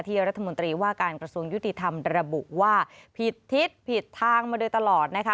รัฐมนตรีว่าการกระทรวงยุติธรรมระบุว่าผิดทิศผิดทางมาโดยตลอดนะคะ